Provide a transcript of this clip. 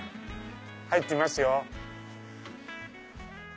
入ってみますよ。